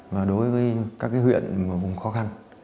và đối với các cái huyện khó khăn